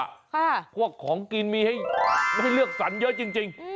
ค่ะพวกของกินมีให้ไม่ได้เลือกสรรเยอะจริง